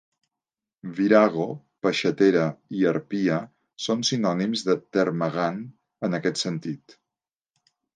"Virago", "peixatera" i "harpia" són sinònims de "Termagant" en aquest sentit.